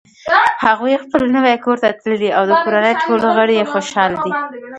هغوی خپل نوی کور ته تللي او د کورنۍ ټول غړ یی خوشحاله دي